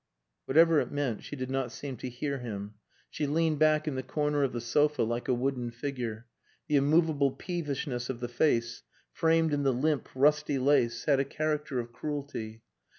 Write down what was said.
Whatever it meant, she did not seem to hear him. She leaned back in the corner of the sofa like a wooden figure. The immovable peevishness of the face, framed in the limp, rusty lace, had a character of cruelty.